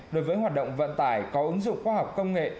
đối với hoạt động vận tải có ứng dụng khoa học công nghệ